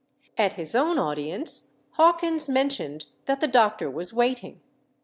At his own audience Hawkins mentioned that the doctor was waiting.